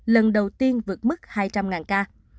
lần đầu tiên vượt mức hai trăm linh ca